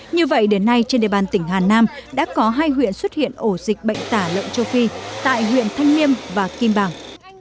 như vậy đến nay trên đề bàn tỉnh hà nam đã có hai huyện xuất hiện ổ dịch bệnh tà lợn châu phi tại huyện thanh niêm và kim bằng